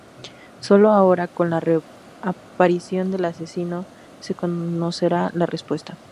Sólo ahora, con la reaparición del asesino, se conocerá la respuesta.